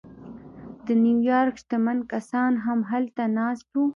د نیویارک شتمن کسان هم هلته ناست وو